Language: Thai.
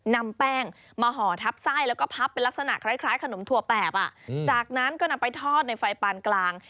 นำแป้งมาห่อทับไส้แล้วก็พับเป็นลักษณะคล้ายขนมถั่วแปบจากนั้นก็นำไปทอดในไฟปานกลาง